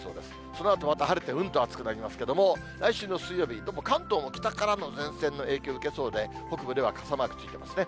そのあとまた晴れて、うんと暑くなりますけれども、来週の水曜日、どうも関東の北からの前線の影響を受けそうで、北部では傘マークついてますね。